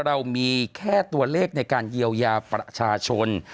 เรามีแค่ตัวเลขในการเยียวยาประชาชน